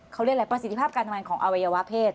เขาเรียกอะไรประสิทธิภาพการทำงานของอวัยวะเพศ